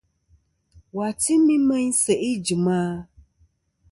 Wà timi meyn sèʼ ijìm a?